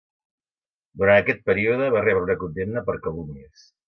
Durant aquest període va rebre una condemna per calúmnies.